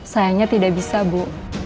sayangnya tidak bisa bu